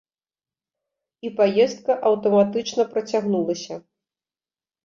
І паездка аўтаматычна працягнулася.